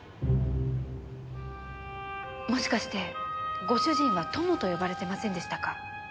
もしかしてご主人は「友」と呼ばれてませんでしたか？